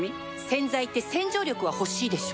洗剤って洗浄力は欲しいでしょ